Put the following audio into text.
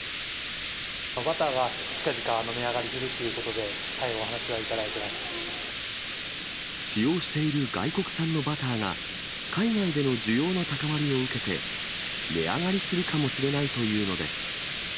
バターが近々値上がりするっ使用している外国産のバターが、海外での需要の高まりを受けて、値上がりするかもしれないというのです。